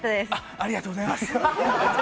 ありがとうございます。